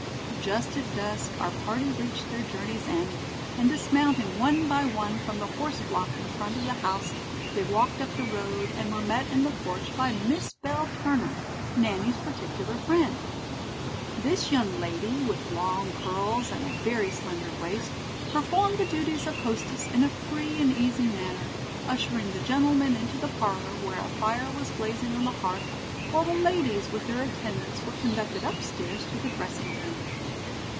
Just at dusk, our party reached their journey's end, and dismounting one by one from the horse block in front of the house, they walked up the road, and were met in the porch by Miss Bell Turner, Nanny's particular friend. This young lady, with long curls and a very slender waist, performed the duties of hostess in a free and easy manner, ushering the gentlemen into the parlor, where a fire was blazing on the hearth, while the ladies, with their attendants, were conducted up stairs to the dressing room.